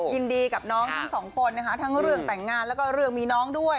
ยินดีกับน้องทั้งสองคนนะคะทั้งเรื่องแต่งงานแล้วก็เรื่องมีน้องด้วย